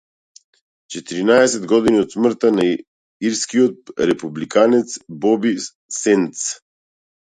Четириесет години од смртта на ирскиот републиканец Боби Сендс